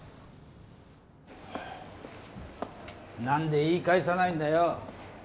何で言い返さないんだよ。